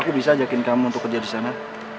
aku bisa ajakin kamu untuk kerja disana